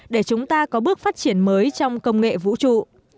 để chúng ta có bước phát triển mới trong công nghệ vũ trụ